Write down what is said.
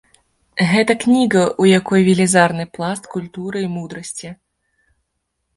Гэта кніга, у якой велізарны пласт культуры і мудрасці.